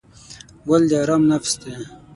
ګل د آرام نفس دی.